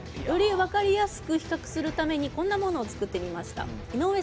より分かりやすく比較するためにこんなものを作ってみました。